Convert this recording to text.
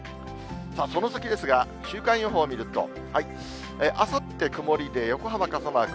その先ですが、週間予報を見ると、あさって曇りで、横浜傘マーク。